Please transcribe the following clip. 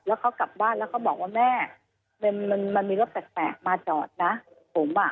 แล้วเขากลับบ้านแล้วเขาบอกว่าแม่มันมันมีรถแปลกมาจอดนะผมอ่ะ